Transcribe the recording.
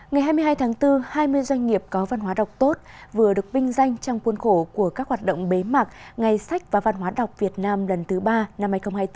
ngày hai mươi hai tháng bốn hai mươi doanh nghiệp có văn hóa đọc tốt vừa được vinh danh trong cuốn khổ của các hoạt động bế mạc ngày sách và văn hóa đọc việt nam lần thứ ba năm hai nghìn hai mươi bốn